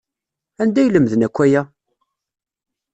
Anda ay lemden akk aya?